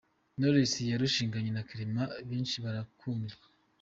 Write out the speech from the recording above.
Knowless yarushinganye na Clement benshi barakumirwa.